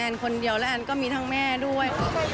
คนเดียวและแอนก็มีทั้งแม่ด้วย